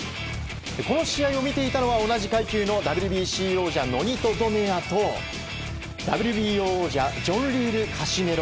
この試合を見ていたのは同じ階級のＷＢＡ王者のノニト・ドネアとＷＢＯ王者ジョンリール・カシメロ。